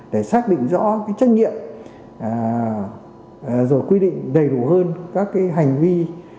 để xác định rõ trách nhiệm và quy định đầy đủ hơn các hành vi